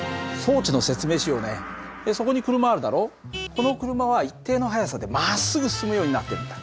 この車は一定の速さでまっすぐ進むようになってるんだ。